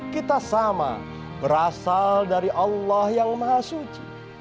kita sama berasal dari allah yang mahasuci